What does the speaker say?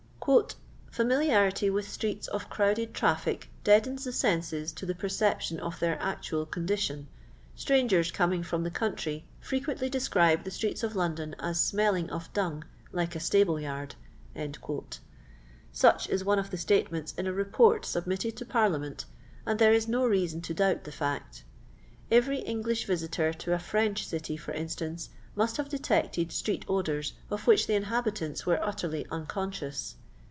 "Faxiliabitt with streete of crowded traffic deadens the senses to the perception of their actual condition. Strangers coming from tiie country frequently descri^ the streeto of London as smelling of dung like a stable yard." Such is one of the statranafi in a Reportatb mitted to Parliament, and thert is no reason fo doubt the fact Bvery English visitor to a French dty, for instance, must have detected street^ours of which the inhabitante were utterly unconscious.